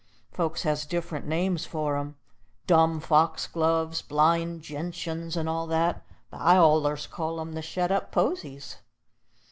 Folks has different names for 'em, dumb foxgloves, blind genshuns, and all that, but I allers call 'em the shet up posies.